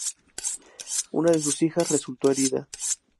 Una de sus hijas resultó herida.